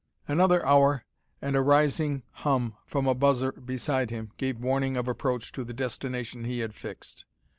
Another hour, and a rising hum from a buzzer beside him gave warning of approach to the destination he had fixed.